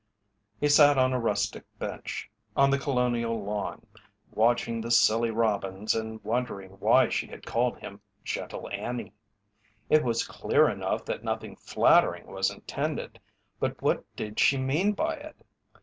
He sat on a rustic bench on The Colonial lawn watching the silly robins and wondering why she had called him "Gentle Annie." It was clear enough that nothing flattering was intended, but what did she mean by it?